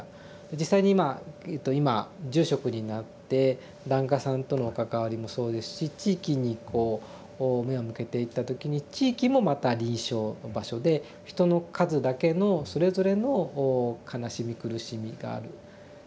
実際に今今住職になって檀家さんとの関わりもそうですし地域にこう目を向けていった時に地域もまた臨床場所で人の数だけのそれぞれの悲しみ苦しみがある。